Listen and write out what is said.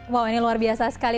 wow ini luar biasa sekali